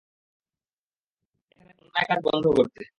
এখানের অন্যায়কাজ বন্ধ করতে।